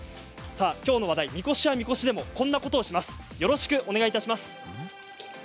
きょうの話題みこしはみこしでもこんなことをします。